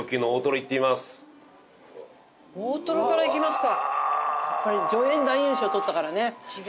大トロからいきますか。